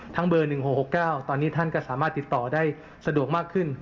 เบอร์๑๖๖๙ตอนนี้ท่านก็สามารถติดต่อได้สะดวกมากขึ้น